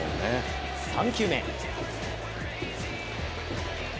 ３球目。